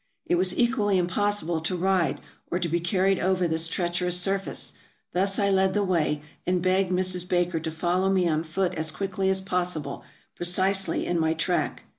It was equally impossible to ride or to be carried over this treach erous surface ; thus I led the way, and begged Mrs. Baker to follow me on foot as quickly as possible, precisely in my track.